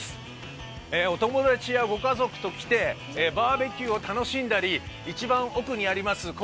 お友達やご家族と来てバーベキューを楽しんだり一番奥にあります